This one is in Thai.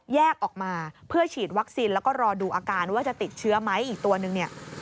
แยกออกมาเพื่อฉีดวัคซีนแล้วก็รอดูอาการว่าจะติดเชื้อไหมอีกตัวนึงเนี่ย